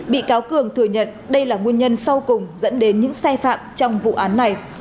bị cáo cường thừa nhận đây là nguyên nhân sau cùng dẫn đến những sai phạm trong vụ án này